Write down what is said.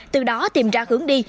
từ đó tìm ra hướng đi